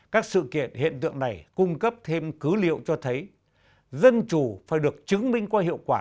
các sự kiện hiện tượng này cung cấp thêm cứ liệu cho thấy dân chủ phải được chứng minh qua hiệu quả